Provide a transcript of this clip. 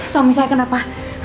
suami saya kenapa